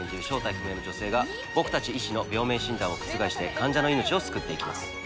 正体不明の女性が僕たち医師の病名診断を覆して患者の命を救っていきます。